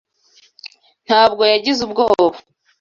Nta bwo yagize ubwoba